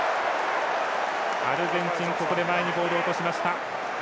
アルゼンチン、ここで前にボールを落としました。